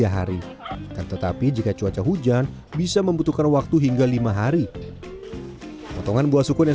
tiga hari tetapi jika cuaca hujan bisa membutuhkan waktu hingga lima hari potongan buah sukun yang